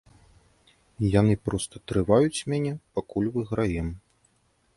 Яны проста трываюць мяне, пакуль выйграем.